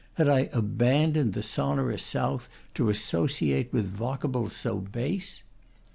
Had I abandoned the so norous south to associate with vocables so base?